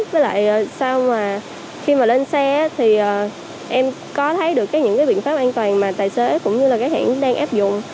với lại sao mà khi mà lên xe thì em có thấy được những cái biện pháp an toàn mà tài xế cũng như là các hãng đang áp dụng